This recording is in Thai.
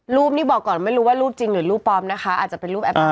รูปนี้บอกก่อนไม่รู้ว่ารูปจริงหรือรูปปลอมนะคะอาจจะเป็นรูปแป๊บเดียว